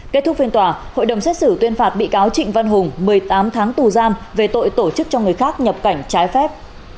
kết thúc phiên tòa hội đồng xét xử tuyên phạt bị cáo trịnh văn hùng một mươi tám tháng tù giam về tội tổ chức cho người khác nhập cảnh trái phép